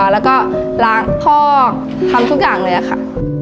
แล้วก็ล้างพ่อทำทุกอย่างเลยค่ะ